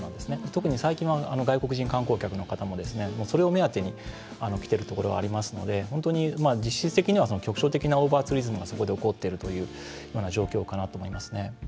特に、最近の外国人観光客の方もそれを目当てに来ているところがありますので本当に、実質的には局所的なオーバーツーリズムがそこで起こっているというような状況かなと思いますね。